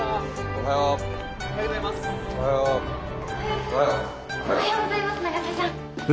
おはようございます永瀬さん。